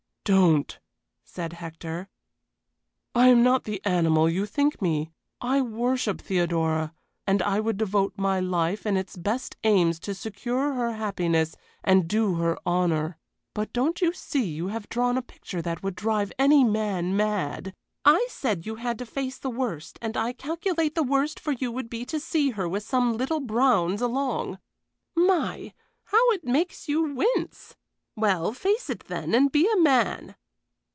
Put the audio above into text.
"Don't!" said Hector. "I am not the animal you think me. I worship Theodora, and I would devote my life and its best aims to secure her happiness and do her honor; but don't you see you have drawn a picture that would drive any man mad " "I said you had to face the worst, and I calculate the worst for you would be to see her with some little Browns along. My! How it makes you wince! Well, face it then and be a man."